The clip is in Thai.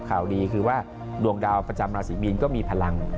ข่าวดีคือว่าดวงดาวประจำราศีมีนก็มีพลัง